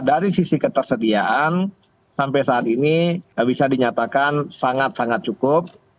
dari sisi ketersediaan sampai saat ini bisa dinyatakan sangat sangat cukup